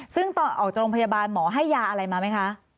ซึ่งตอนออกจากโรงพยาบาลหมอให้ยาอะไรมาไหมคะ